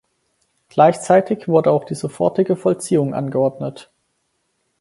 Gleichzeitig wurde auch die sofortige Vollziehung angeordnet.